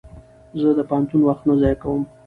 زه د پوهنتون وخت نه ضایع کوم.